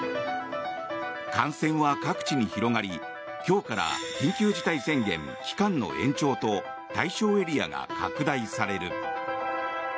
感染は各地に広がり、今日から緊急事態宣言期間の延長と対象エリアが拡大される。